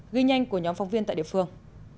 ghi nhanh của nhóm phóng viên tại địa phương